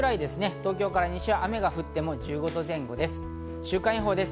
東京から西は雨が降っても１５度前後です。